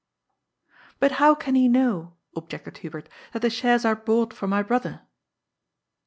^ But how can he know," objected Hubert, ^^ that the shares are bought for my brother?"